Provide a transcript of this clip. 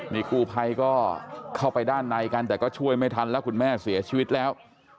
นี่กู้ภัยก็เข้าไปด้านในกันแต่ก็ช่วยไม่ทันแล้วคุณแม่เสียชีวิตแล้ว